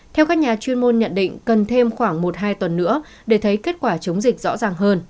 theo các nhà chuyên môn nhận định cần thêm khoảng một hai tuần nữa để thấy kết quả chống dịch rõ ràng hơn